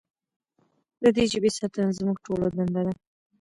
د دې ژبې ساتنه زموږ ټولو دنده ده.